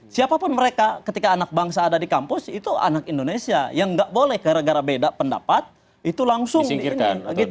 siapapun mereka ketika anak bangsa ada di kampus itu anak indonesia yang nggak boleh gara gara beda pendapat itu langsung